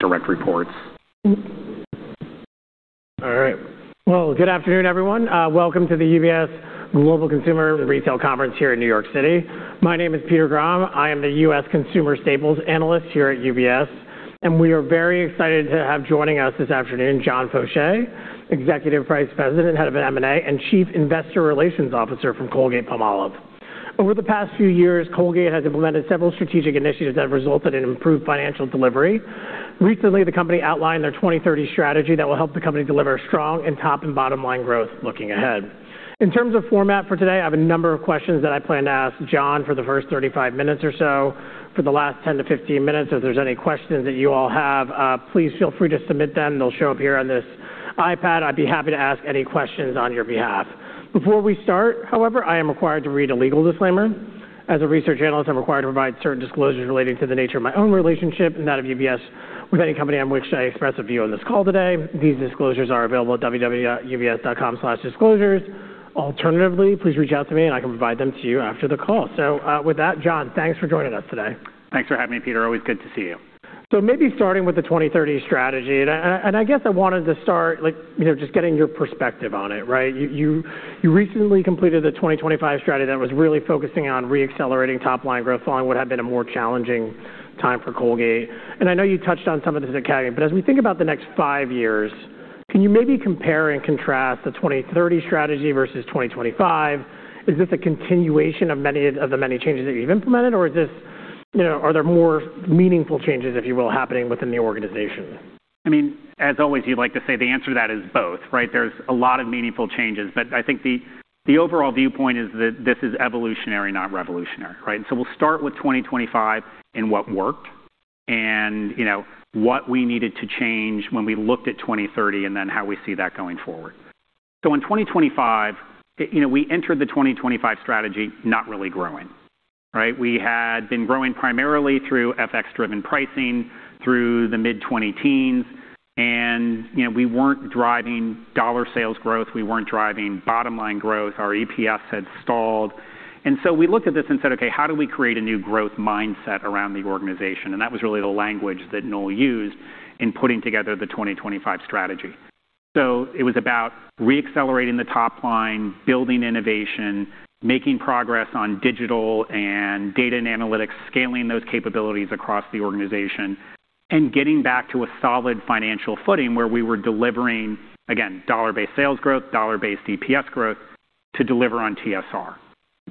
Direct reports. All right. Well, good afternoon, everyone. Welcome to the UBS Global Consumer and Retail Conference here in New York City. My name is Peter Grom. I am the U.S. Consumer Staples Analyst here at UBS, and we are very excited to have joining us this afternoon, John Faucher, Executive Vice President, Head of M&A, and Chief Investor Relations Officer from Colgate-Palmolive. Over the past few years, Colgate has implemented several strategic initiatives that have resulted in improved financial delivery. Recently, the company outlined their 2030 strategy that will help the company deliver strong and top and bottom line growth looking ahead. In terms of format for today, I have a number of questions that I plan to ask John for the first 35 minutes or so. For the last 10-15 minutes, if there's any questions that you all have, please feel free to submit them. They'll show up here on this iPad. I'd be happy to ask any questions on your behalf. Before we start, however, I am required to read a legal disclaimer. As a research analyst, I'm required to provide certain disclosures relating to the nature of my own relationship and that of UBS with any company on which I express a view on this call today. These disclosures are available at www.ubs.com/disclosures. Alternatively, please reach out to me, and I can provide them to you after the call. With that, John, thanks for joining us today. Thanks for having me, Peter. Always good to see you. Maybe starting with the 2030 strategy, and I guess I wanted to start like, you know, just getting your perspective on it, right? You recently completed the 2025 strategy that was really focusing on re-accelerating top-line growth following what had been a more challenging time for Colgate. I know you touched on some of this at CAGNY, but as we think about the next five years, can you maybe compare and contrast the 2030 strategy versus 2025? Is this a continuation of many of the many changes that you've implemented, or is this, you know, are there more meaningful changes, if you will, happening within the organization? I mean, as always, you'd like to say the answer to that is both, right? There's a lot of meaningful changes, but I think the overall viewpoint is that this is evolutionary, not revolutionary, right? We'll start with 2025 and what worked and, you know, what we needed to change when we looked at 2030 and then how we see that going forward. In 2025, you know, we entered the 2025 strategy not really growing, right? We had been growing primarily through FX-driven pricing through the mid-2010s, and, you know, we weren't driving dollar sales growth. We weren't driving bottom-line growth. Our EPS had stalled. We looked at this and said, "Okay, how do we create a new growth mindset around the organization?" That was really the language that Noel used in putting together the 2025 strategy. It was about re-accelerating the top line, building innovation, making progress on digital and data and analytics, scaling those capabilities across the organization, and getting back to a solid financial footing where we were delivering, again, dollar-based sales growth, dollar-based EPS growth to deliver on TSR,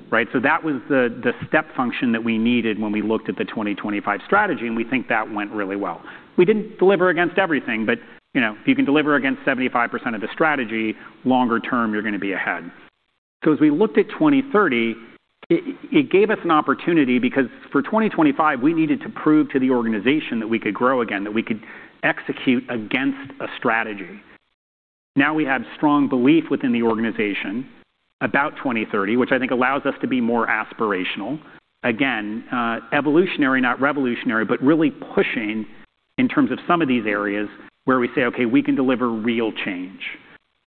right? That was the step function that we needed when we looked at the 2025 strategy, and we think that went really well. We didn't deliver against everything, but, you know, if you can deliver against 75% of the strategy, longer term, you're gonna be ahead. As we looked at 2030, it gave us an opportunity because for 2025, we needed to prove to the organization that we could grow again, that we could execute against a strategy. Now we have strong belief within the organization about 2030, which I think allows us to be more aspirational. Again, evolutionary, not revolutionary, but really pushing in terms of some of these areas where we say, "Okay, we can deliver real change."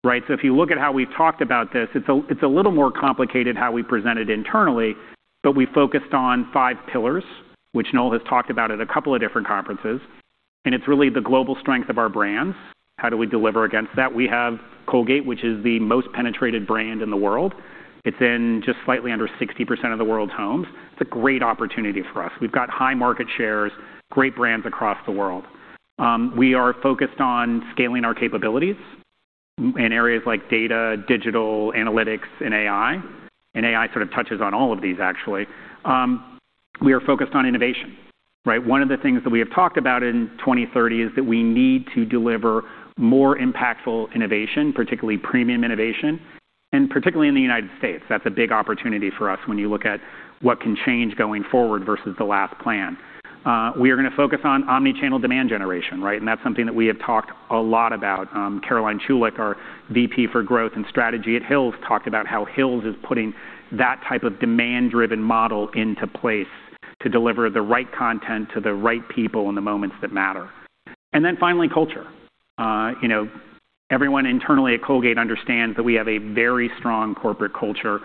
Right? If you look at how we've talked about this, it's a little more complicated how we present it internally, but we focused on five pillars, which Noel has talked about at a couple of different conferences, and it's really the global strength of our brands. How do we deliver against that? We have Colgate, which is the most penetrated brand in the world. It's in just slightly under 60% of the world's homes. It's a great opportunity for us. We've got high market shares, great brands across the world. We are focused on scaling our capabilities in areas like data, digital, analytics, and AI. AI sort of touches on all of these actually. We are focused on innovation, right? One of the things that we have talked about in 2030 is that we need to deliver more impactful innovation, particularly premium innovation, and particularly in the United States. That's a big opportunity for us when you look at what can change going forward versus the last plan. We are gonna focus on omni-channel demand generation, right? That's something that we have talked a lot about. Diana Schildhouse, our VP for Growth and Strategy at Hill's, talked about how Hill's is putting that type of demand-driven model into place to deliver the right content to the right people in the moments that matter. Then finally, culture. You know, everyone internally at Colgate understands that we have a very strong corporate culture.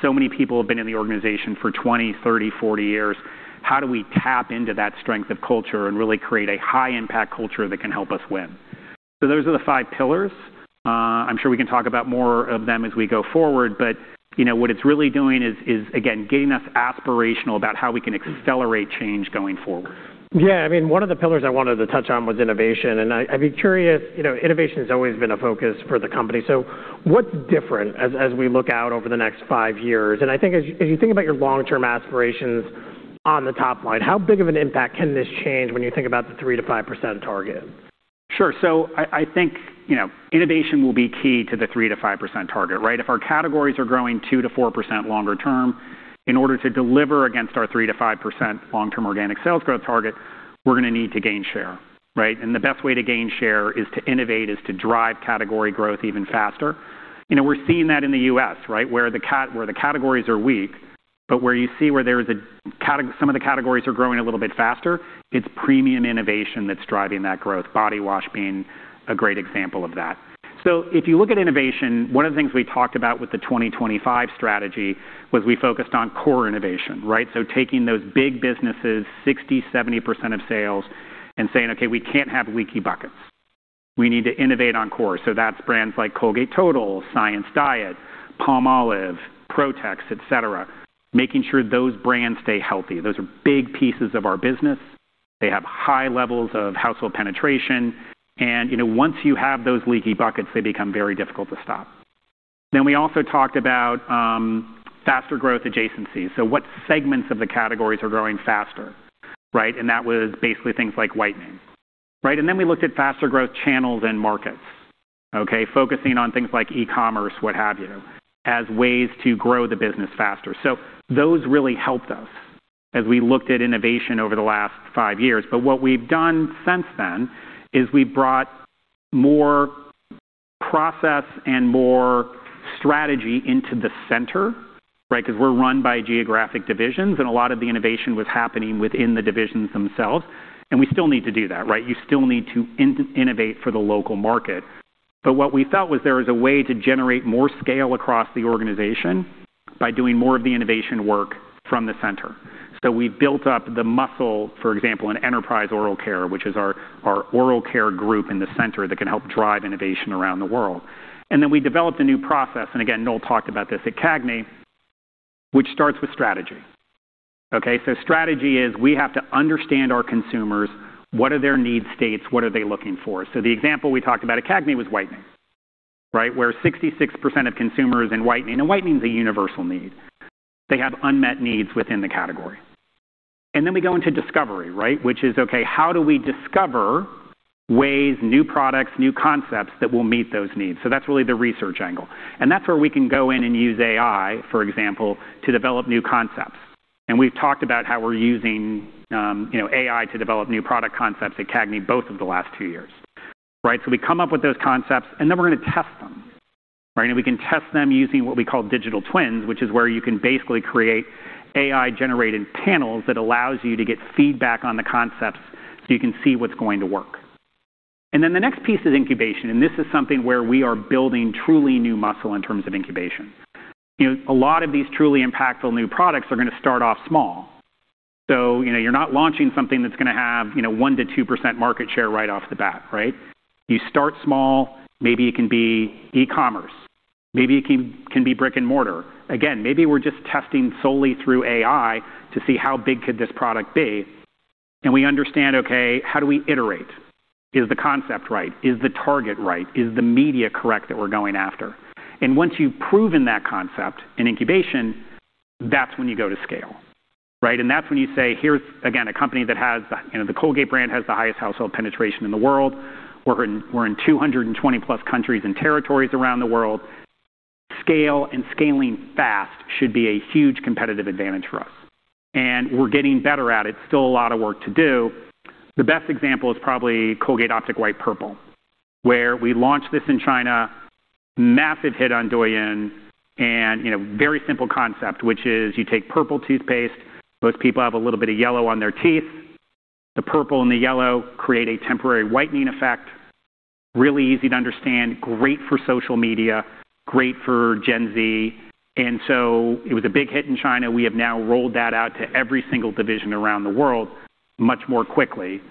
So many people have been in the organization for 20 years, 30 years, 40 years. How do we tap into that strength of culture and really create a high-impact culture that can help us win? Those are the five pillars. I'm sure we can talk about more of them as we go forward, but, you know, what it's really doing is, again, getting us aspirational about how we can accelerate change going forward. Yeah. I mean, one of the pillars I wanted to touch on was innovation. I'd be curious, you know, innovation has always been a focus for the company. What's different as we look out over the next five years? I think as you think about your long-term aspirations on the top line, how big of an impact can this change when you think about the 3%-5% target? Sure. I think, you know, innovation will be key to the 3%-5% target, right? If our categories are growing 2%-4% longer term, in order to deliver against our 3%-5% long-term organic sales growth target, we're gonna need to gain share, right? The best way to gain share is to innovate, is to drive category growth even faster. You know, we're seeing that in the U.S., right, where the categories are weak, but some of the categories are growing a little bit faster. It's premium innovation that's driving that growth, body wash being a great example of that. If you look at innovation, one of the things we talked about with the 2025 strategy was we focused on core innovation, right? Taking those big businesses, 60%-70% of sales and saying, "Okay, we can't have leaky buckets." We need to innovate on core. That's brands like Colgate Total, Science Diet, Palmolive, Protex, etc. Making sure those brands stay healthy. Those are big pieces of our business. They have high levels of household penetration, and, you know, once you have those leaky buckets, they become very difficult to stop. We also talked about faster growth adjacencies. What segments of the categories are growing faster, right? That was basically things like whitening, right? We looked at faster growth channels and markets, okay? Focusing on things like e-commerce, what have you, as ways to grow the business faster. Those really helped us as we looked at innovation over the last 5 years. What we've done since then is we brought more process and more strategy into the center, right? Because we're run by geographic divisions, and a lot of the innovation was happening within the divisions themselves, and we still need to do that, right? You still need to innovate for the local market. What we felt was there was a way to generate more scale across the organization by doing more of the innovation work from the center. We built up the muscle, for example, in enterprise oral care, which is our oral care group in the center that can help drive innovation around the world. Then we developed a new process, and again, Noel talked about this at CAGNY, which starts with strategy, okay? Strategy is we have to understand our consumers, what are their need states, what are they looking for? The example we talked about at CAGNY was whitening, right? Where 66% of consumers in whitening, and whitening is a universal need. They have unmet needs within the category. We go into discovery, right? Which is, okay, how do we discover ways, new products, new concepts that will meet those needs? That's really the research angle. That's where we can go in and use AI, for example, to develop new concepts. We've talked about how we're using, you know, AI to develop new product concepts at CAGNY both of the last two years, right? We come up with those concepts, and then we're gonna test them, right? We can test them using what we call digital twins, which is where you can basically create AI-generated panels that allows you to get feedback on the concepts, so you can see what's going to work. Then the next piece is incubation, and this is something where we are building truly new muscle in terms of incubation. You know, a lot of these truly impactful new products are gonna start off small. You know, you're not launching something that's gonna have, you know, 1%-2% market share right off the bat, right? You start small, maybe it can be e-commerce, maybe it can be brick-and-mortar. Again, maybe we're just testing solely through AI to see how big could this product be. We understand, okay, how do we iterate? Is the concept right? Is the target right? Is the media correct that we're going after? Once you've proven that concept in incubation, that's when you go to scale, right? That's when you say, here's again, a company that has the, you know, the Colgate brand has the highest household penetration in the world. We're in 220+ countries and territories around the world. Scale and scaling fast should be a huge competitive advantage for us. We're getting better at it. Still a lot of work to do. The best example is probably Colgate Optic White Purple, where we launched this in China. Massive hit on Douyin and, you know, very simple concept, which is you take purple toothpaste, most people have a little bit of yellow on their teeth. The purple and the yellow create a temporary whitening effect. Really easy to understand, great for social media, great for Gen Z. It was a big hit in China. We have now rolled that out to every single division around the world much more quickly.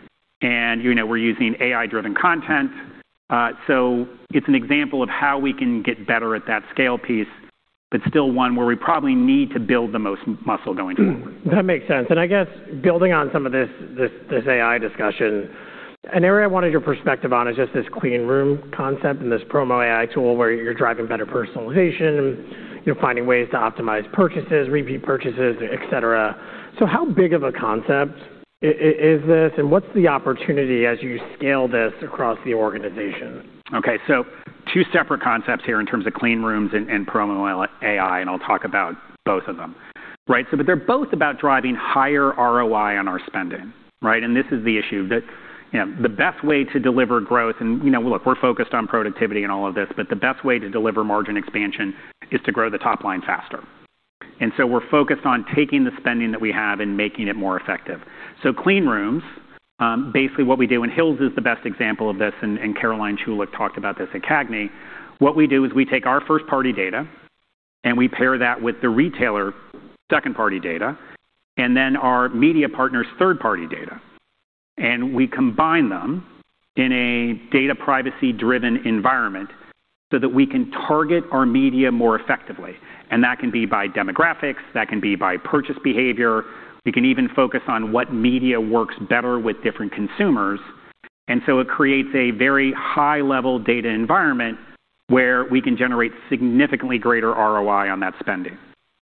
You know, we're using AI-driven content. It's an example of how we can get better at that scale piece, but still one where we probably need to build the most muscle going forward. I guess building on some of this AI discussion, an area I wanted your perspective on is just this clean room concept and this promo AI tool where you're driving better personalization, you're finding ways to optimize purchases, repeat purchases, etc. How big of a concept is this, and what's the opportunity as you scale this across the organization? Okay, two separate concepts here in terms of clean rooms and promo AI, and I'll talk about both of them, right? They're both about driving higher ROI on our spending, right? This is the issue, that, you know, the best way to deliver growth, and, you know, look, we're focused on productivity in all of this, but the best way to deliver margin expansion is to grow the top line faster. We're focused on taking the spending that we have and making it more effective. Clean rooms, basically what we do, and Hill's is the best example of this, and Diana Schildhouse talked about this at CAGNY. What we do is we take our first-party data, and we pair that with the retailer second-party data, and then our media partner's third-party data, and we combine them in a data privacy-driven environment so that we can target our media more effectively. That can be by demographics, that can be by purchase behavior. We can even focus on what media works better with different consumers. It creates a very high-level data environment where we can generate significantly greater ROI on that spending.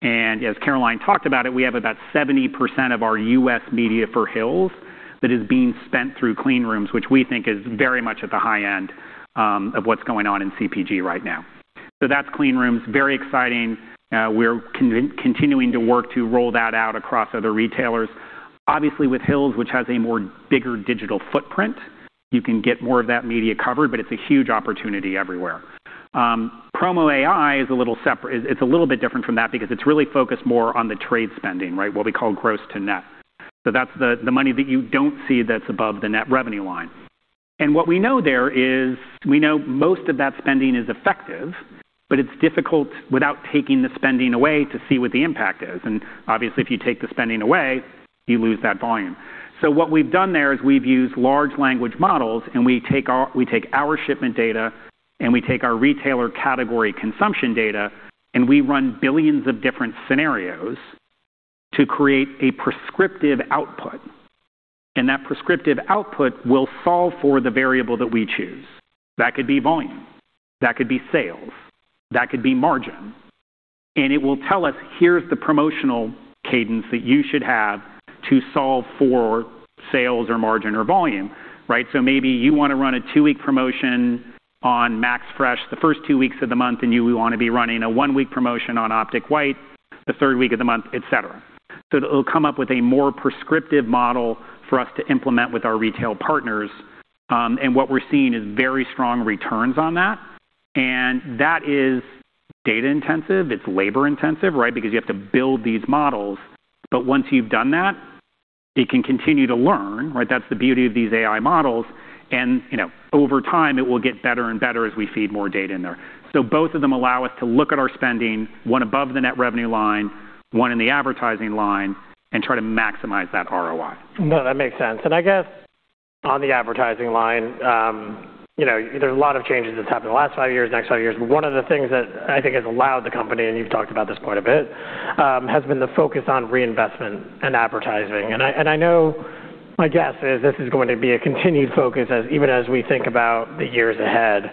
As Diana talked about it, we have about 70% of our U.S. media for Hill's that is being spent through clean rooms, which we think is very much at the high end of what's going on in CPG right now. That's clean rooms. Very exciting. We're continuing to work to roll that out across other retailers. Obviously, with Hill's, which has a more bigger digital footprint, you can get more of that media covered, but it's a huge opportunity everywhere. Promo AI is a little separate. It's a little bit different from that because it's really focused more on the trade spending, right? What we call gross to net. That's the money that you don't see that's above the net revenue line. What we know there is most of that spending is effective, but it's difficult without taking the spending away to see what the impact is. Obviously, if you take the spending away you lose that volume. What we've done there is we've used large language models, and we take our shipment data and we take our retailer category consumption data, and we run billions of different scenarios to create a prescriptive output. That prescriptive output will solve for the variable that we choose. That could be volume, that could be sales, that could be margin. It will tell us, here's the promotional cadence that you should have to solve for sales or margin or volume, right? Maybe you want to run a 2-week promotion on MaxFresh the first 2 weeks of the month, and you want to be running a 1-week promotion on Optic White the third week of the month, et cetera. It'll come up with a more prescriptive model for us to implement with our retail partners. What we're seeing is very strong returns on that. That is data-intensive. It's labor-intensive, right? Because you have to build these models. Once you've done that, it can continue to learn, right? That's the beauty of these AI models. You know, over time, it will get better and better as we feed more data in there. Both of them allow us to look at our spending, one above the net revenue line, one in the advertising line, and try to maximize that ROI. No, that makes sense. I guess on the advertising line, you know, there's a lot of changes that's happened in the last five years, next five years. One of the things that I think has allowed the company, and you've talked about this quite a bit, has been the focus on reinvestment and advertising. I know my guess is this is going to be a continued focus as even as we think about the years ahead.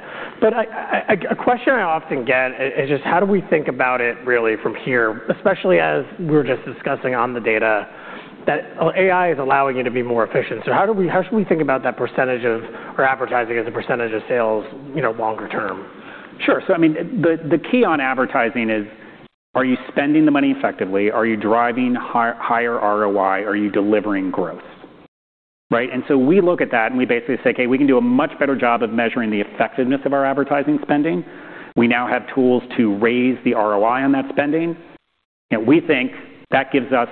A question I often get is just how do we think about it really from here, especially as we were just discussing on the data, that AI is allowing you to be more efficient. How should we think about that percentage of or advertising as a percentage of sales, you know, longer term? Sure. I mean, the key on advertising is, are you spending the money effectively? Are you driving higher ROI? Are you delivering growth, right? We look at that, and we basically say, "Okay, we can do a much better job of measuring the effectiveness of our advertising spending." We now have tools to raise the ROI on that spending. You know, we think that gives us,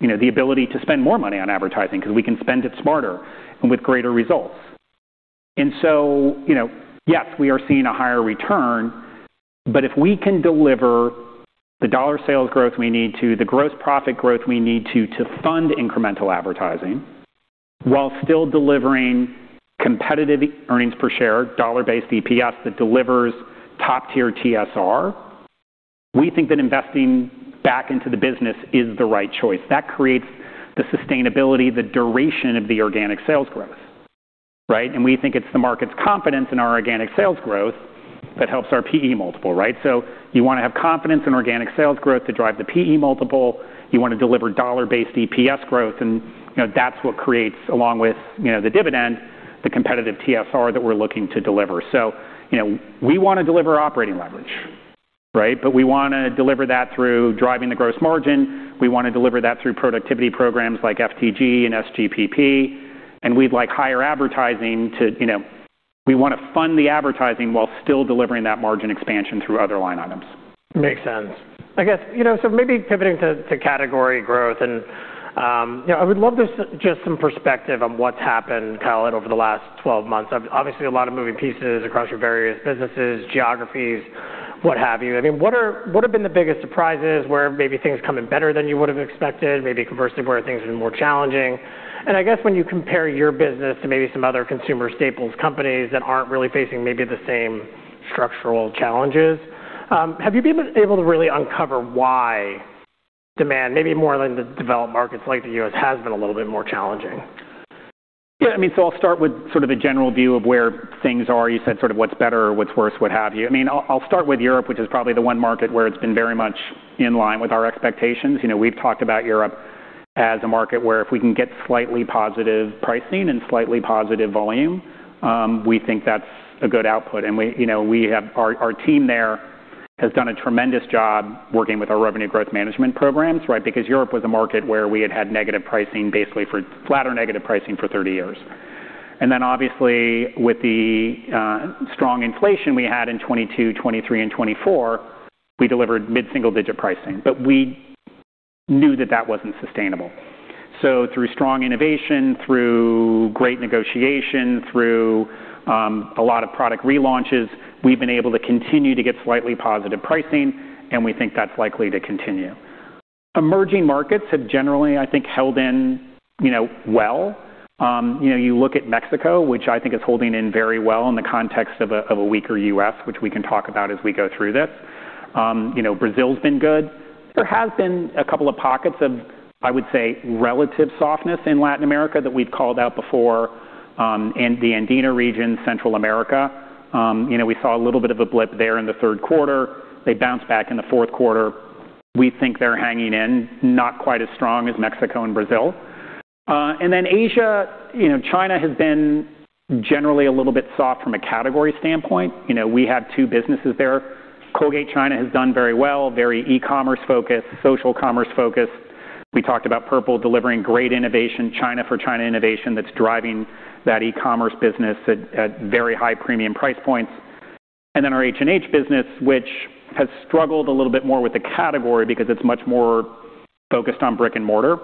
you know, the ability to spend more money on advertising because we can spend it smarter and with greater results. You know, yes, we are seeing a higher return. If we can deliver the dollar sales growth we need to, the gross profit growth we need to fund incremental advertising while still delivering competitive earnings per share, dollar-based EPS that delivers top-tier TSR, we think that investing back into the business is the right choice. That creates the sustainability, the duration of the organic sales growth, right? We think it's the market's confidence in our organic sales growth that helps our PE multiple, right? You wanna have confidence in organic sales growth to drive the PE multiple. You wanna deliver dollar-based EPS growth, and, you know, that's what creates, along with, you know, the dividend, the competitive TSR that we're looking to deliver. You know, we wanna deliver operating leverage, right? We wanna deliver that through driving the gross margin. We wanna deliver that through productivity programs like FTG and SGPP. We'd like higher advertising to, you know, we wanna fund the advertising while still delivering that margin expansion through other line items. Makes sense. I guess, you know, maybe pivoting to category growth. I would love just some perspective on what's happened, call it, over the last 12 months. Obviously, a lot of moving pieces across your various businesses, geographies, what have you. I mean, what have been the biggest surprises where maybe things come in better than you would have expected, maybe conversely, where things have been more challenging? I guess when you compare your business to maybe some other consumer staples companies that aren't really facing maybe the same structural challenges, have you been able to really uncover why demand, maybe more in the developed markets like the U.S., has been a little bit more challenging? Yeah, I mean, so I'll start with sort of a general view of where things are. You said sort of what's better, what's worse, what have you. I mean, I'll start with Europe, which is probably the one market where it's been very much in line with our expectations. You know, we've talked about Europe as a market where if we can get slightly positive pricing and slightly positive volume, we think that's a good output. We, you know, we have our team there has done a tremendous job working with our revenue growth management programs, right? Because Europe was a market where we had negative pricing basically for flat or negative pricing for 30 years. Then obviously with the strong inflation we had in 2022, 2023 and 2024, we delivered mid-single-digit pricing. We knew that that wasn't sustainable. Through strong innovation, through great negotiation, through a lot of product relaunches, we've been able to continue to get slightly positive pricing, and we think that's likely to continue. Emerging markets have generally, I think, held in, you know, well. You know, you look at Mexico, which I think is holding in very well in the context of a weaker U.S., which we can talk about as we go through this. You know, Brazil's been good. There has been a couple of pockets of, I would say, relative softness in Latin America that we'd called out before, in the Andean region, Central America. You know, we saw a little bit of a blip there in the third quarter. They bounced back in the fourth quarter. We think they're hanging in not quite as strong as Mexico and Brazil. Asia, you know, China has been generally a little bit soft from a category standpoint. You know, we have two businesses there. Colgate China has done very well, very e-commerce-focused, social commerce-focused. We talked about Purple delivering great innovation, China for China innovation that's driving that e-commerce business at very high premium price points. Our H&H business, which has struggled a little bit more with the category because it's much more focused on brick and mortar.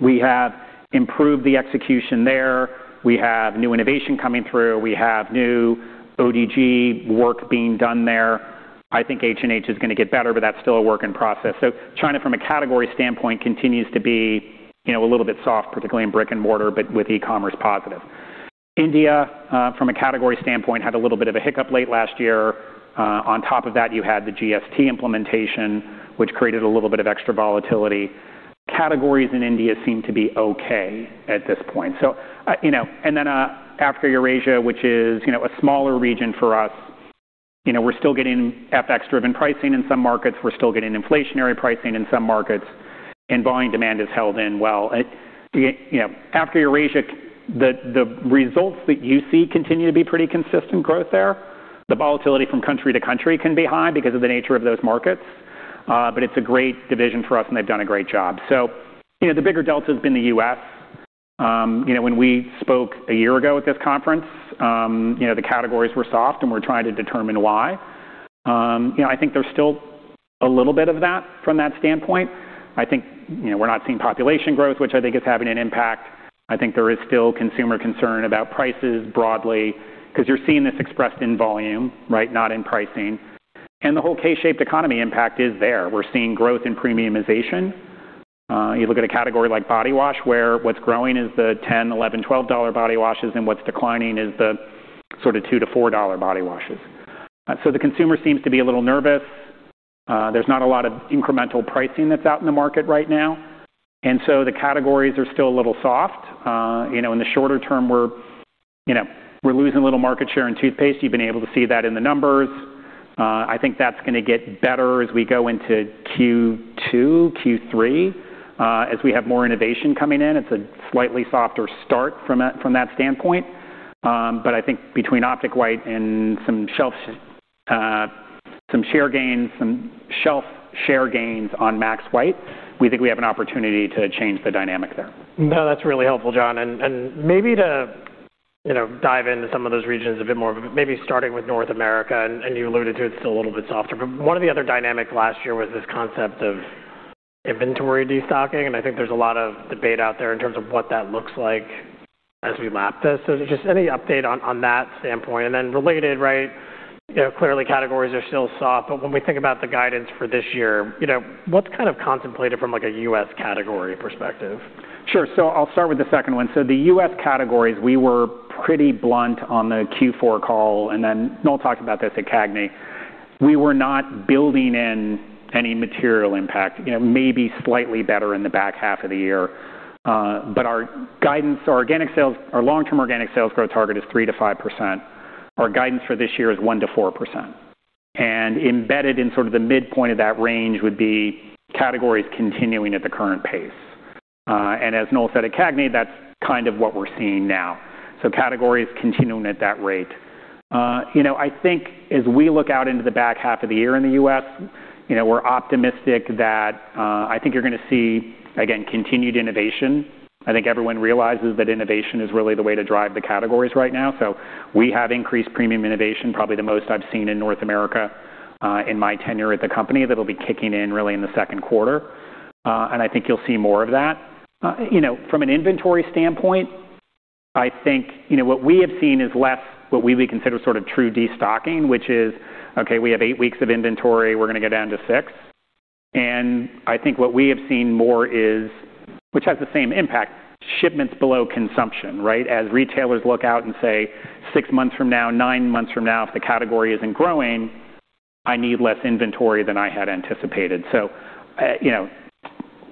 We have improved the execution there. We have new innovation coming through. We have new ODG work being done there. I think H&H is gonna get better, but that's still a work in process. China, from a category standpoint, continues to be, you know, a little bit soft, particularly in brick and mortar, but with e-commerce positive. India, from a category standpoint, had a little bit of a hiccup late last year. On top of that, you had the GST implementation, which created a little bit of extra volatility. Categories in India seem to be okay at this point. You know, and then, Africa Eurasia, which is, you know, a smaller region for us. You know, we're still getting FX-driven pricing in some markets. We're still getting inflationary pricing in some markets, and volume demand has held in well. You know, Africa Eurasia, the results that you see continue to be pretty consistent growth there. The volatility from country to country can be high because of the nature of those markets, but it's a great division for us, and they've done a great job. You know, the bigger delta has been the U.S. You know, when we spoke a year ago at this conference, you know, the categories were soft, and we're trying to determine why. You know, I think there's still a little bit of that from that standpoint. I think, you know, we're not seeing population growth, which I think is having an impact. I think there is still consumer concern about prices broadly because you're seeing this expressed in volume, right, not in pricing. The whole K-shaped economy impact is there. We're seeing growth in premiumization. You look at a category like body wash, where what's growing is the $10, $11, $12 body washes, and what's declining is the sort of $2-$4 body washes. The consumer seems to be a little nervous. There's not a lot of incremental pricing that's out in the market right now. The categories are still a little soft. You know, in the shorter term, we're, you know, we're losing a little market share in toothpaste. You've been able to see that in the numbers. I think that's gonna get better as we go into Q2, Q3, as we have more innovation coming in. It's a slightly softer start from that, from that standpoint. But I think between Optic White and some shelf share gains on Max White, we think we have an opportunity to change the dynamic there. No, that's really helpful, John. Maybe to, you know, dive into some of those regions a bit more, maybe starting with North America, and you alluded to it's still a little bit softer. One of the other dynamics last year was this concept of inventory destocking, and I think there's a lot of debate out there in terms of what that looks like as we lap this. Just any update on that standpoint. Then related, right, you know, clearly categories are still soft, but when we think about the guidance for this year, you know, what's kind of contemplated from like a U.S. category perspective? Sure. I'll start with the second one. The U.S. categories, we were pretty blunt on the Q4 call, and then Noel talked about this at CAGNY. We were not building in any material impact. You know, maybe slightly better in the back half of the year. But our long-term organic sales growth target is 3%-5%. Our guidance for this year is 1%-4%. Embedded in sort of the midpoint of that range would be categories continuing at the current pace. As Noel said at CAGNY, that's kind of what we're seeing now. Categories continuing at that rate. You know, I think as we look out into the back half of the year in the U.S., you know, we're optimistic that I think you're gonna see, again, continued innovation. I think everyone realizes that innovation is really the way to drive the categories right now. We have increased premium innovation, probably the most I've seen in North America, in my tenure at the company, that'll be kicking in really in the second quarter. I think you'll see more of that. From an inventory standpoint, I think you know what we have seen is less what we would consider sorta true destocking, which is, okay, we have eight weeks of inventory, we're gonna go down to six. I think what we have seen more is, which has the same impact, shipments below consumption, right? As retailers look out and say, "6 months from now, 9 months from now, if the category isn't growing, I need less inventory than I had anticipated." You know,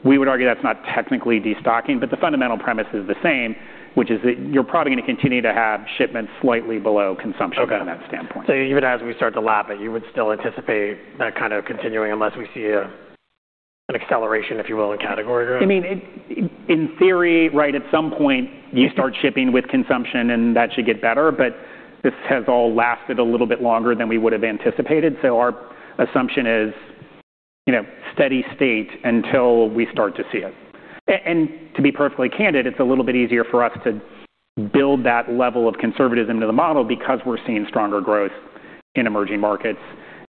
we would argue that's not technically destocking, but the fundamental premise is the same, which is that you're probably gonna continue to have shipments slightly below consumption from that standpoint. Even as we start to lap it, you would still anticipate that kind of continuing unless we see an acceleration, if you will, in category growth. I mean, in theory, right, at some point, you start shipping with consumption, and that should get better, but this has all lasted a little bit longer than we would have anticipated. Our assumption is, you know, steady state until we start to see it. To be perfectly candid, it's a little bit easier for us to build that level of conservatism into the model because we're seeing stronger growth in emerging markets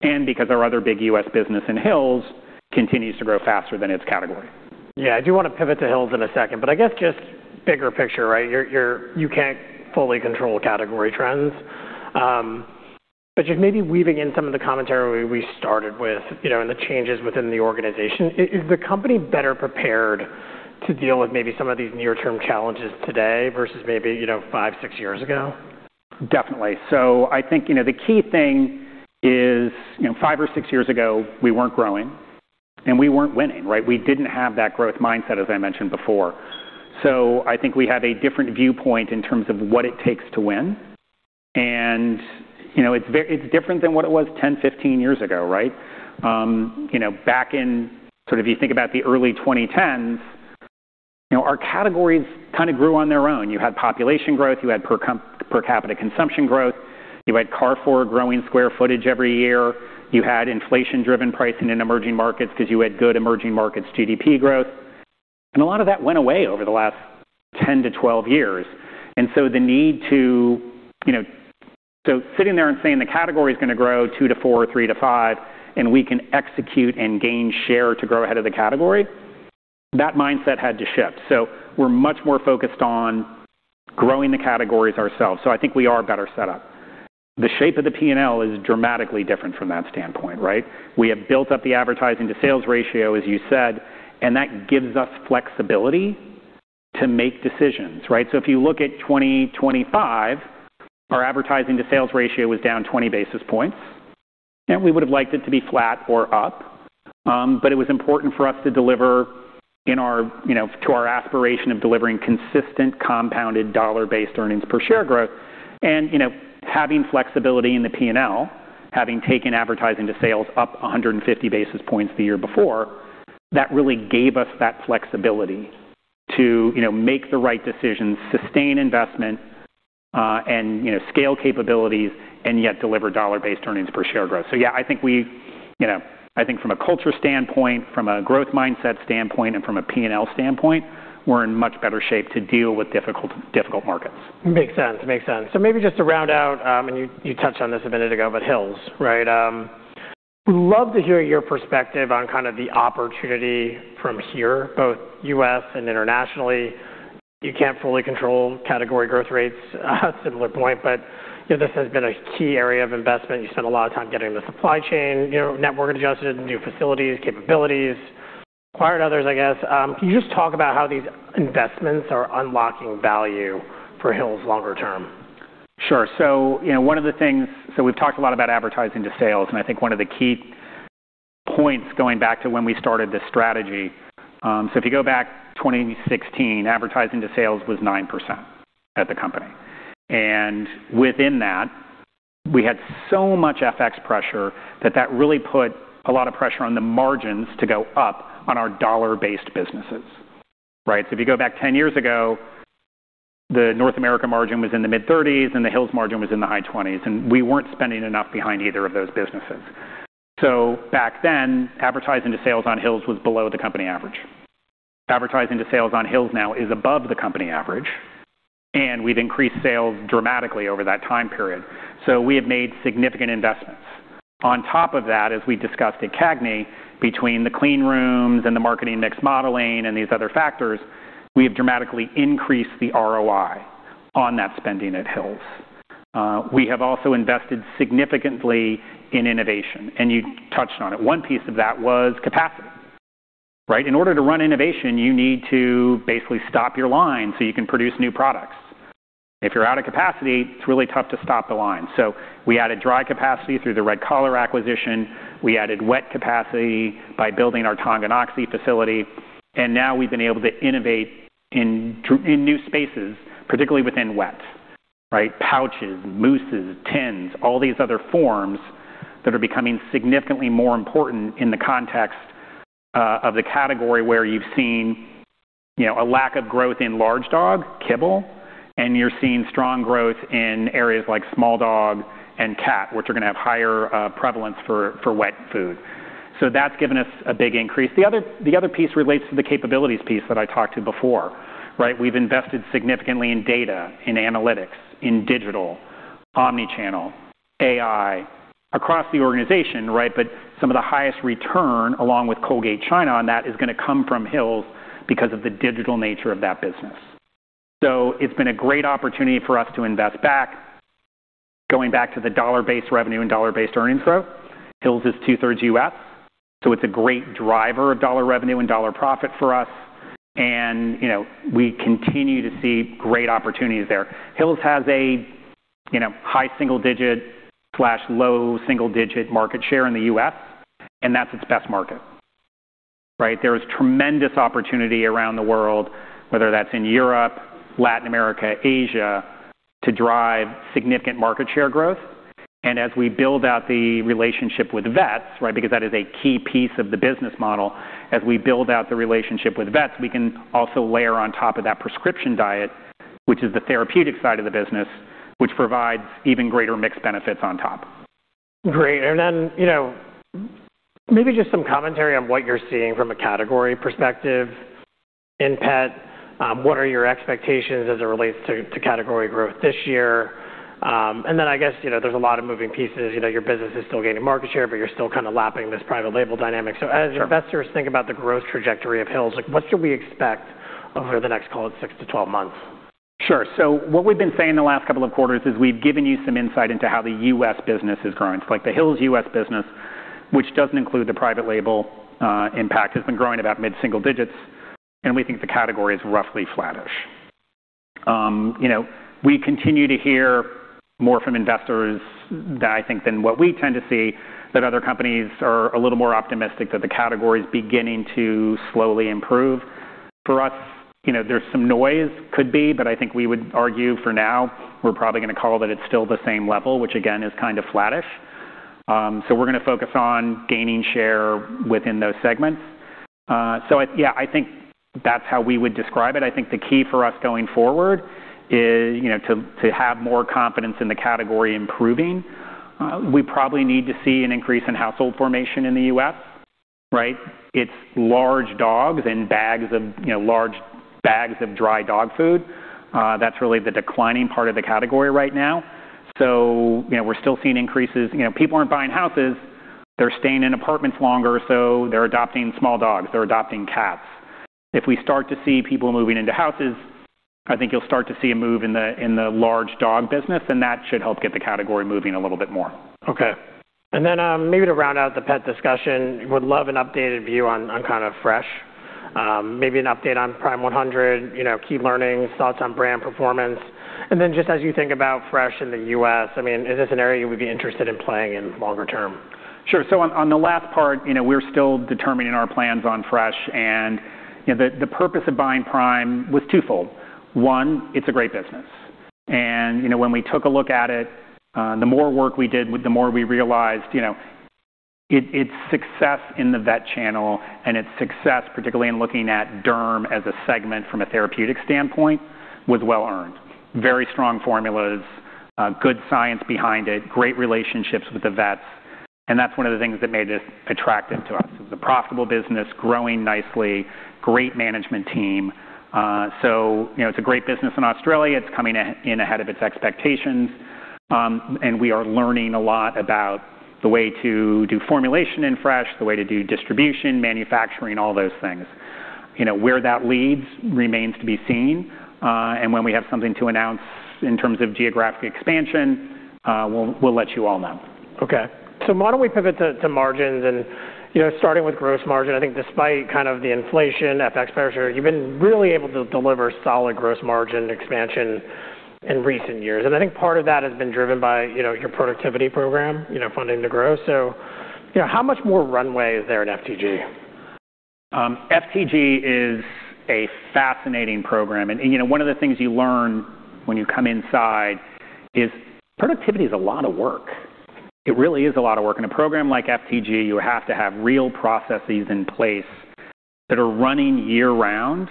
and because our other big U.S. business in Hills continues to grow faster than its category. Yeah. I do wanna pivot to Hills in a second, but I guess just bigger picture, right? You can't fully control category trends. Just maybe weaving in some of the commentary we started with, you know, and the changes within the organization, is the company better prepared to deal with maybe some of these near-term challenges today versus maybe, you know, 5 years, 6 years ago? Definitely. I think, you know, the key thing is, you know, five or six years ago, we weren't growing and we weren't winning, right? We didn't have that growth mindset, as I mentioned before. I think we have a different viewpoint in terms of what it takes to win. You know, it's different than what it was 10 years, 15 years ago, right? You know, back in sort of you think about the early 2010s, you know, our categories kinda grew on their own. You had population growth, you had per capita consumption growth. You had Carrefour growing square footage every year. You had inflation-driven pricing in emerging markets 'cause you had good emerging markets GDP growth. A lot of that went away over the last 10 years-12 years. Sitting there and saying the category is gonna grow 2%-4% or 3%-5%, and we can execute and gain share to grow ahead of the category, that mindset had to shift. We're much more focused on growing the categories ourselves. I think we are better set up. The shape of the P&L is dramatically different from that standpoint, right? We have built up the advertising to sales ratio, as you said, and that gives us flexibility to make decisions, right? If you look at 2025, our advertising to sales ratio was down 20 basis points, and we would have liked it to be flat or up. But it was important for us to deliver in our, you know, to our aspiration of delivering consistent compounded dollar-based earnings per share growth. You know, having flexibility in the P&L, having taken advertising to sales up 150 basis points the year before, that really gave us that flexibility to, you know, make the right decisions, sustain investment, and, you know, scale capabilities and yet deliver dollar-based earnings per share growth. Yeah, I think we, you know, I think from a culture standpoint, from a growth mindset standpoint, and from a P&L standpoint, we're in much better shape to deal with difficult markets. Makes sense. Maybe just to round out, and you touched on this a minute ago, but Hill's, right? Would love to hear your perspective on kind of the opportunity from here, both U.S. and internationally. You can't fully control category growth rates, similar point, but, you know, this has been a key area of investment. You spent a lot of time getting the supply chain, you know, network adjusted, new facilities, capabilities, acquired others, I guess. Can you just talk about how these investments are unlocking value for Hill's longer term? Sure. You know, one of the things. We've talked a lot about advertising to sales, and I think one of the key points going back to when we started this strategy. If you go back 2016, advertising to sales was 9% at the company. Within that, we had so much FX pressure that that really put a lot of pressure on the margins to go up on our dollar-based businesses, right? If you go back 10 years ago, the North America margin was in the mid-30s%, and the Hill's margin was in the high 20s%, and we weren't spending enough behind either of those businesses. Back then, advertising to sales on Hill's was below the company average. Advertising to sales on Hill's now is above the company average, and we've increased sales dramatically over that time period. We have made significant investments. On top of that, as we discussed at CAGNY, between the clean rooms and the marketing mix modeling and these other factors, we have dramatically increased the ROI on that spending at Hill's. We have also invested significantly in innovation, and you touched on it. One piece of that was capacity, right? In order to run innovation, you need to basically stop your line so you can produce new products. If you're out of capacity, it's really tough to stop the line. We added dry capacity through the Red Collar acquisition. We added wet capacity by building our Tonganoxie facility. Now we've been able to innovate in new spaces, particularly within wet, right? Pouches, mousses, tins, all these other forms that are becoming significantly more important in the context of the category where you've seen, you know, a lack of growth in large dog kibble, and you're seeing strong growth in areas like small dog and cat, which are gonna have higher prevalence for wet food. That's given us a big increase. The other piece relates to the capabilities piece that I talked to before, right? We've invested significantly in data, in analytics, in digital, omni-channel, AI across the organization, right? But some of the highest return along with Colgate China on that is gonna come from Hill's because of the digital nature of that business. It's been a great opportunity for us to invest back, going back to the dollar-based revenue and dollar-based earnings growth. Hill's is two-thirds U.S., so it's a great driver of dollar revenue and dollar profit for us. You know, we continue to see great opportunities there. Hill's has a, you know, high single digit/low single digit market share in the U.S., and that's its best market, right? There is tremendous opportunity around the world, whether that's in Europe, Latin America, Asia, to drive significant market share growth. As we build out the relationship with vets, right, because that is a key piece of the business model. As we build out the relationship with vets, we can also layer on top of that Prescription Diet, which is the therapeutic side of the business, which provides even greater mixed benefits on top. Great. You know, maybe just some commentary on what you're seeing from a category perspective in pet. What are your expectations as it relates to category growth this year? I guess, you know, there's a lot of moving pieces. You know, your business is still gaining market share, but you're still kind of lapping this private label dynamic. As investors think about the growth trajectory of Hills, like what should we expect over the next, call it 6 months-12 months? Sure. What we've been saying the last couple of quarters is we've given you some insight into how the U.S. business is growing. Like the Hill's U.S. business, which doesn't include the private label impact, has been growing about mid-single digits, and we think the category is roughly flattish. You know, we continue to hear more from investors that I think than what we tend to see, that other companies are a little more optimistic that the category is beginning to slowly improve. For us, you know, there's some noise, could be, but I think we would argue for now we're probably gonna call that it's still the same level, which again is kind of flattish. We're gonna focus on gaining share within those segments. Yeah, I think that's how we would describe it. I think the key for us going forward is, you know, to have more confidence in the category improving. We probably need to see an increase in household formation in the U.S. Right? It's large dogs and bags of, you know, large bags of dry dog food. That's really the declining part of the category right now. You know, we're still seeing increases. You know, people aren't buying houses. They're staying in apartments longer, so they're adopting small dogs, they're adopting cats. If we start to see people moving into houses, I think you'll start to see a move in the large dog business, and that should help get the category moving a little bit more. Okay. Maybe to round out the pet discussion, would love an updated view on kind of fresh, maybe an update on Prime100, you know, key learnings, thoughts on brand performance. Just as you think about fresh in the U.S., I mean, is this an area you would be interested in playing in longer term? Sure. On the last part, you know, we're still determining our plans on Max Fresh. You know, the purpose of buying Prime100 was twofold. One, it's a great business. You know, when we took a look at it, the more work we did, the more we realized, you know, its success in the vet channel and its success, particularly in looking at Derm as a segment from a therapeutic standpoint, was well-earned. Very strong formulas, good science behind it, great relationships with the vets, and that's one of the things that made it attractive to us. It was a profitable business, growing nicely, great management team. You know, it's a great business in Australia. It's coming in ahead of its expectations, and we are learning a lot about the way to do formulation in fresh, the way to do distribution, manufacturing, all those things. You know, where that leads remains to be seen, and when we have something to announce in terms of geographic expansion, we'll let you all know. Okay. Why don't we pivot to margins and, you know, starting with gross margin. I think despite kind of the inflation, FX pressure, you've been really able to deliver solid gross margin expansion in recent years. I think part of that has been driven by, you know, your productivity program, you know, Funding to Grow. You know, how much more runway is there in FTG? FTG is a fascinating program. You know, one of the things you learn when you come inside is productivity is a lot of work. It really is a lot of work. In a program like FTG, you have to have real processes in place that are running year-round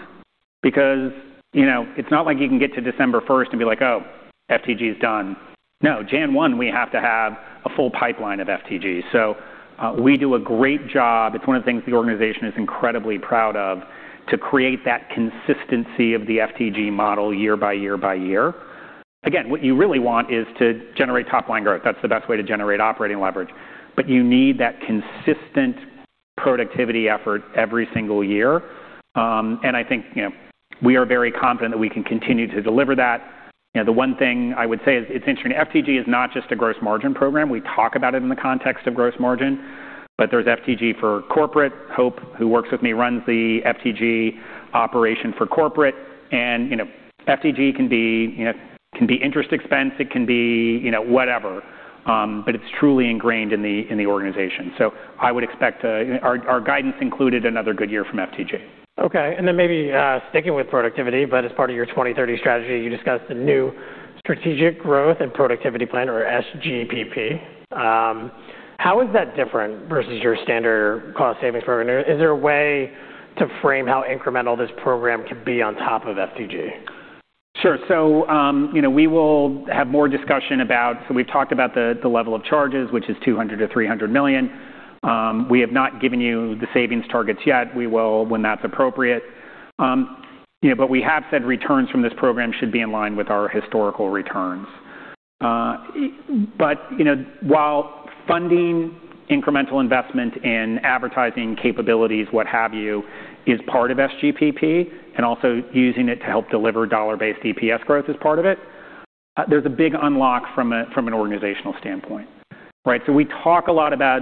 because, you know, it's not like you can get to December 1st and be like, "Oh, FTG is done." No. January 1, we have to have a full pipeline of FTG. We do a great job. It's one of the things the organization is incredibly proud of, to create that consistency of the FTG model year by year by year. Again, what you really want is to generate top-line growth. That's the best way to generate operating leverage. You need that consistent productivity effort every single year. I think, you know, we are very confident that we can continue to deliver that. You know, the one thing I would say is it's interesting. FTG is not just a gross margin program. We talk about it in the context of gross margin, but there's FTG for corporate. Hope, who works with me, runs the FTG operation for corporate. You know, FTG can be interest expense, it can be whatever. But it's truly ingrained in the organization. I would expect our guidance included another good year from FTG. Okay. Maybe sticking with productivity, but as part of your 2030 strategy, you discussed a new strategic growth and productivity plan or SGPP. How is that different versus your standard cost savings program? Is there a way to frame how incremental this program could be on top of FTG? Sure. You know, we will have more discussion about. We've talked about the level of charges, which is $200 million-$300 million. We have not given you the savings targets yet. We will when that's appropriate. You know, but we have said returns from this program should be in line with our historical returns. You know, while funding incremental investment in advertising capabilities, what have you, is part of SGPP and also using it to help deliver dollar-based EPS growth is part of it, there's a big unlock from an organizational standpoint, right? We talk a lot about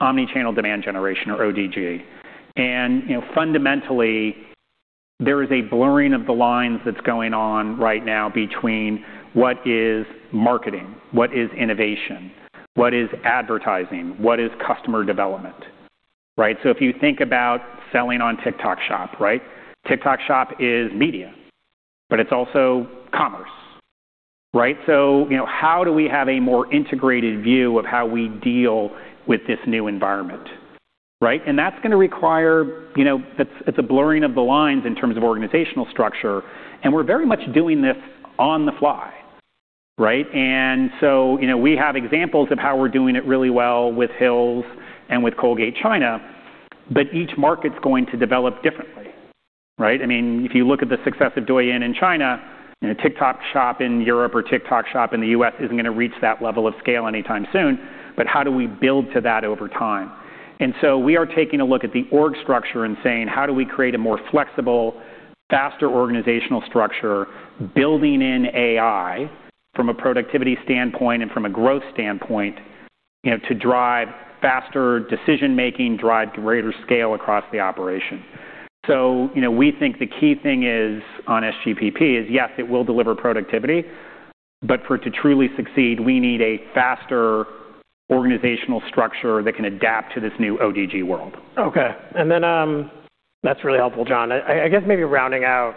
omni-channel demand generation or ODG. You know, fundamentally, there is a blurring of the lines that's going on right now between what is marketing, what is innovation, what is advertising, what is customer development, right? If you think about selling on TikTok Shop, right? TikTok Shop is media, but it's also commerce, right? You know, how do we have a more integrated view of how we deal with this new environment, right? That's gonna require, you know, it's a blurring of the lines in terms of organizational structure, and we're very much doing this on the fly, right? You know, we have examples of how we're doing it really well with Hill's and with Colgate China, but each market's going to develop differently, right? I mean, if you look at the success of Douyin in China and a TikTok Shop in Europe or TikTok Shop in the U.S. isn't gonna reach that level of scale anytime soon. How do we build to that over time? We are taking a look at the org structure and saying, "How do we create a more flexible, faster organizational structure, building in AI from a productivity standpoint and from a growth standpoint, you know, to drive faster decision-making, drive greater scale across the operation?" You know, we think the key thing is on SGPP is, yes, it will deliver productivity, but for it to truly succeed, we need a faster organizational structure that can adapt to this new ODG world. Okay. That's really helpful, John. I guess maybe rounding out,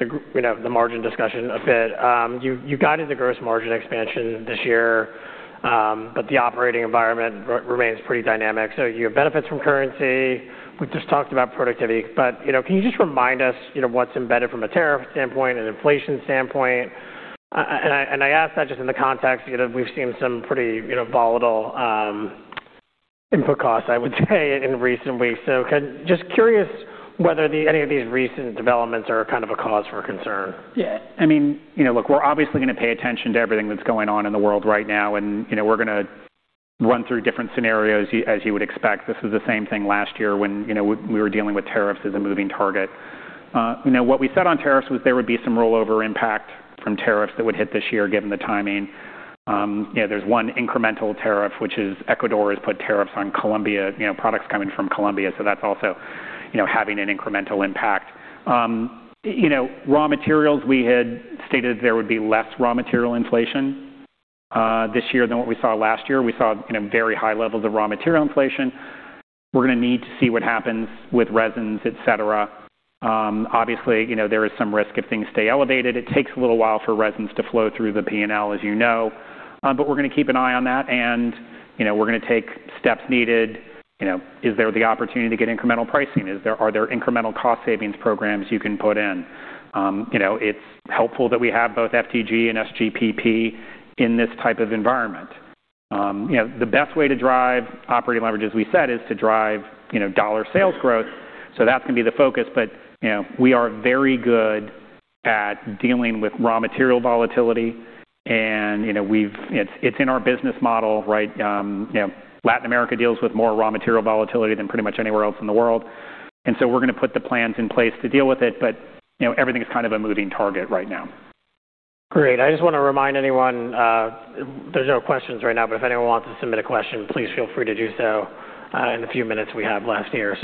you know, the margin discussion a bit. You guided the gross margin expansion this year, but the operating environment remains pretty dynamic. You have benefits from currency. We just talked about productivity. You know, can you just remind us, you know, what's embedded from a tariff standpoint, an inflation standpoint? I ask that just in the context, you know, we've seen some pretty, you know, volatile input costs, I would say in recent weeks. Just curious whether any of these recent developments are kind of a cause for concern. Yeah. I mean, you know, look, we're obviously gonna pay attention to everything that's going on in the world right now and, you know, we're gonna run through different scenarios as you would expect. This is the same thing last year when, you know, we were dealing with tariffs as a moving target. You know, what we said on tariffs was there would be some rollover impact from tariffs that would hit this year given the timing. You know, there's one incremental tariff which is Ecuador has put tariffs on Colombia, you know, products coming from Colombia, so that's also, you know, having an incremental impact. You know, raw materials, we had stated there would be less raw material inflation this year than what we saw last year. We saw, you know, very high levels of raw material inflation. We're gonna need to see what happens with resins, et cetera. Obviously, you know, there is some risk if things stay elevated. It takes a little while for resins to flow through the P&L, as you know. We're gonna keep an eye on that and, you know, we're gonna take steps needed. You know, is there the opportunity to get incremental pricing? Are there incremental cost savings programs you can put in? You know, it's helpful that we have both FTG and SGPP in this type of environment. You know, the best way to drive operating leverage, as we said, is to drive, you know, dollar sales growth, so that's gonna be the focus. You know, we are very good at dealing with raw material volatility and, you know, it's in our business model, right? You know, Latin America deals with more raw material volatility than pretty much anywhere else in the world, and so we're gonna put the plans in place to deal with it. You know, everything's kind of a moving target right now. Great. I just wanna remind anyone, there's no questions right now, but if anyone wants to submit a question, please feel free to do so, in the few minutes we have left here.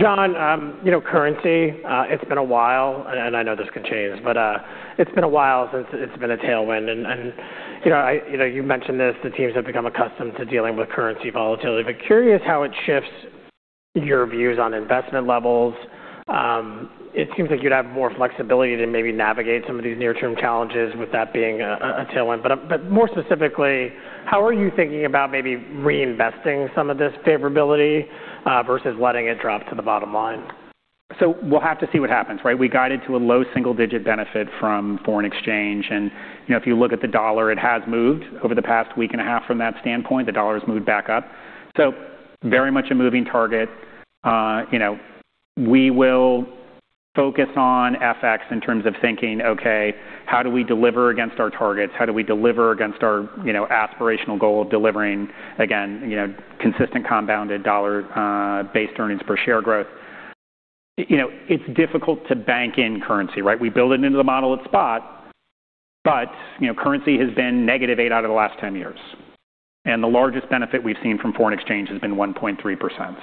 John, you know, currency, it's been a while, and I know this could change, but, it's been a while since it's been a tailwind. You know, you mentioned this, the teams have become accustomed to dealing with currency volatility. Curious how it shifts your views on investment levels. It seems like you'd have more flexibility to maybe navigate some of these near-term challenges with that being a tailwind. More specifically, how are you thinking about maybe reinvesting some of this favorability, versus letting it drop to the bottom line? We'll have to see what happens, right? We guided to a low single-digit benefit from foreign exchange. You know, if you look at the dollar, it has moved over the past week and a half from that standpoint. The dollar's moved back up. Very much a moving target. You know, we will focus on FX in terms of thinking, okay, how do we deliver against our targets? How do we deliver against our, you know, aspirational goal of delivering, again, you know, consistent compounded dollar base earnings per share growth? You know, it's difficult to bank in currency, right? We build it into the model at spot, but, you know, currency has been -8 out of the last 10 years. The largest benefit we've seen from foreign exchange has been 1.3%.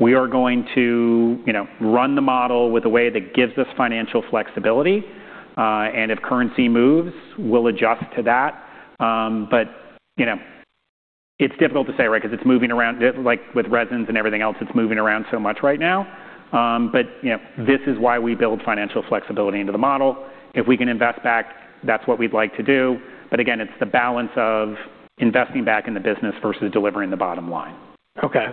We are going to, you know, run the model with a way that gives us financial flexibility, and if currency moves, we'll adjust to that. You know, it's difficult to say, right? Because it's moving around, like with resins and everything else, it's moving around so much right now. You know, this is why we build financial flexibility into the model. If we can invest back, that's what we'd like to do. Again, it's the balance of investing back in the business versus delivering the bottom line. Okay.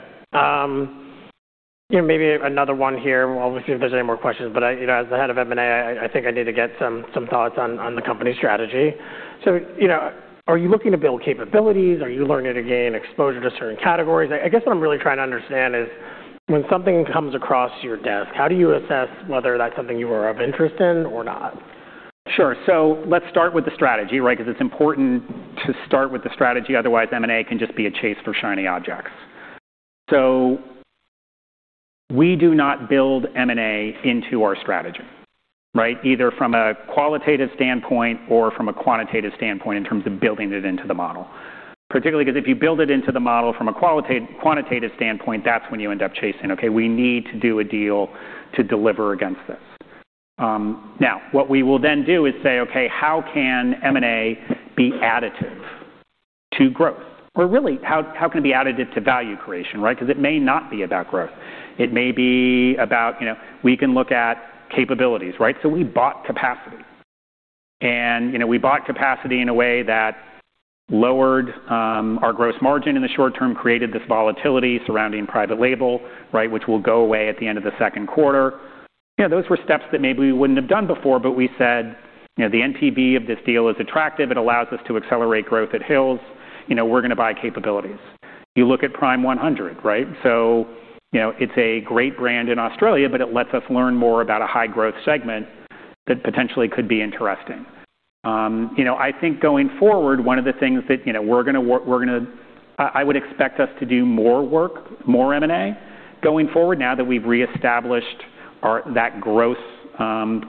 You know, maybe another one here. We'll see if there's any more questions, but you know, as the head of M&A, I think I need to get some thoughts on the company's strategy. You know, are you looking to build capabilities? Are you looking to gain exposure to certain categories? I guess what I'm really trying to understand is when something comes across your desk, how do you assess whether that's something you're interested in or not? Sure. Let's start with the strategy, right? Because it's important to start with the strategy, otherwise M&A can just be a chase for shiny objects. We do not build M&A into our strategy, right? Either from a qualitative standpoint or from a quantitative standpoint in terms of building it into the model. Particularly 'cause if you build it into the model from a qualitative-quantitative standpoint, that's when you end up chasing. Okay, we need to do a deal to deliver against this. Now, what we will then do is say, okay, how can M&A be additive to growth? Or really, how can it be additive to value creation, right? Because it may not be about growth. It may be about, you know, we can look at capabilities, right? We bought capacity. You know, we bought capacity in a way that lowered our gross margin in the short term, created this volatility surrounding private label, right? Which will go away at the end of the second quarter. You know, those were steps that maybe we wouldn't have done before, but we said, you know, the NPV of this deal is attractive. It allows us to accelerate growth at Hill's. You know, we're gonna buy capabilities. You look at Prime100, right? You know, it's a great brand in Australia, but it lets us learn more about a high-growth segment that potentially could be interesting. You know, I think going forward, one of the things that, you know, I would expect us to do more work, more M&A going forward now that we've reestablished our growth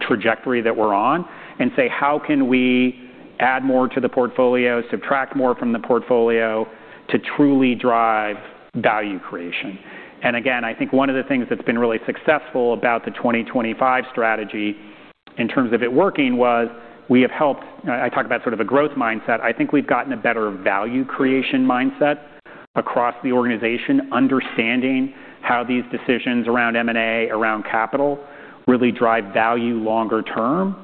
trajectory that we're on and say, how can we add more to the portfolio, subtract more from the portfolio to truly drive value creation? Again, I think one of the things that's been really successful about the 2025 strategy in terms of it working was we have helped. I talk about sort of a growth mindset. I think we've gotten a better value creation mindset across the organization, understanding how these decisions around M&A, around capital really drive value longer term.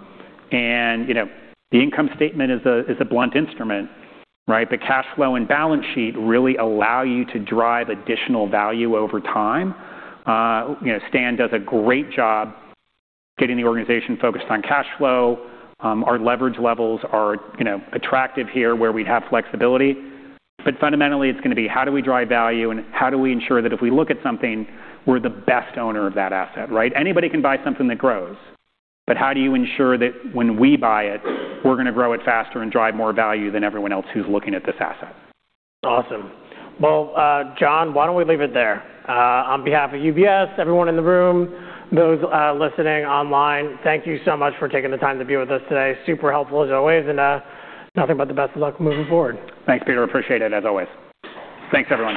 You know, the income statement is a blunt instrument, right? The cash flow and balance sheet really allow you to drive additional value over time. You know, Stan does a great job getting the organization focused on cash flow. Our leverage levels are, you know, attractive here where we have flexibility. Fundamentally, it's gonna be how do we drive value, and how do we ensure that if we look at something, we're the best owner of that asset, right? Anybody can buy something that grows, but how do you ensure that when we buy it, we're gonna grow it faster and drive more value than everyone else who's looking at this asset? Awesome. Well, John, why don't we leave it there? On behalf of UBS, everyone in the room, those listening online, thank you so much for taking the time to be with us today. Super helpful as always, and nothing but the best of luck moving forward. Thanks, Peter. Appreciate it as always. Thanks, everyone.